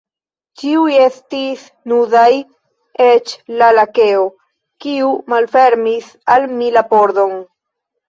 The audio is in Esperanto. Ĉiuj estis nudaj, eĉ la lakeo, kiu malfermis al mi la pordon.